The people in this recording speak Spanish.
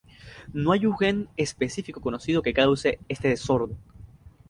No hay un gen específico conocido que cause este desorden.